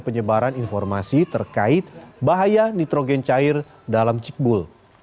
penyebaran informasi terkait bahaya nitrogen cair dalam cikbul